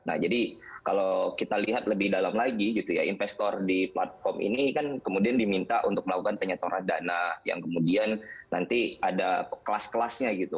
nah jadi kalau kita lihat lebih dalam lagi gitu ya investor di platform ini kan kemudian diminta untuk melakukan penyetoran dana yang kemudian nanti ada kelas kelasnya gitu